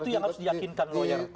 itu yang harus diyakinkan lawyer